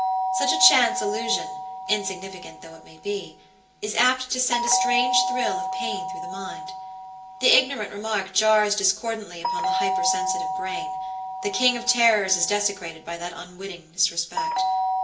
Such a chance allusion, insignificant though it may be, is apt to send a strange thrill of pain through the mind. The ignorant remark jars discordantly upon the hyper sensitive brain; the King of Terrors is desecrated by that unwitting disrespect.